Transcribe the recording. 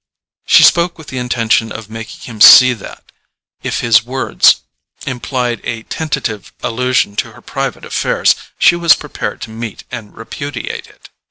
She spoke with the intention of making him see that, if his words implied a tentative allusion to her private affairs, she was prepared to meet and repudiate it.